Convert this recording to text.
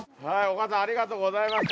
はい。